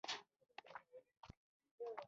د بنګړو شرنګ یې دی لېکلی،